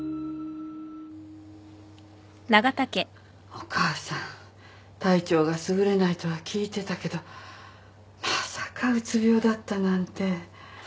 お母さん体調が優れないとは聞いてたけどまさかうつ病だったなんて。